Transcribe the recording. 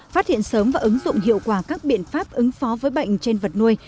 phát hiện sớm và ứng dụng hiệu quả các biện pháp ứng phó với bệnh trên vật nuôi